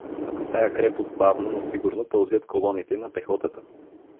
Но към тая крепост бавно, но сигурно пълзят колоните на пехотата.